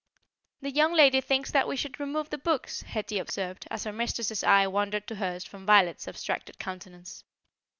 "The young lady thinks that we should remove the books," Hetty observed, as her mistress's eye wandered to hers from Violet's abstracted countenance.